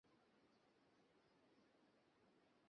তাই এর আশু সমাধানে দলমতনির্বিশেষে সবাইকে এগিয়ে আসতে হবে।